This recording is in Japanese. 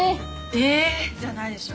「えっ！」じゃないでしょ。